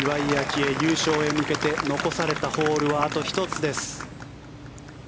愛、優勝へ向けて残されたホールはあと１つです。